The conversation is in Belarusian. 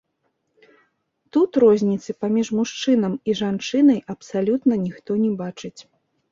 Тут розніцы паміж мужчынам і жанчынай абсалютна ніхто не бачыць.